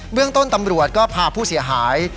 เรื่องต้นตำรวจก็พาผู้เสียหาย